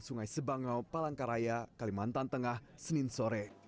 sungai sebangau palangkaraya kalimantan tengah senin sore